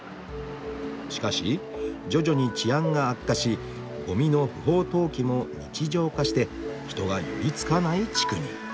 「しかし徐々に治安が悪化しごみの不法投棄も日常化して人が寄りつかない地区に」。